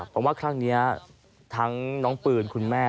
ผมว่าครั้งนี้ทั้งน้องปืนคุณแม่